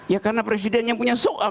ya karena presiden yang punya soal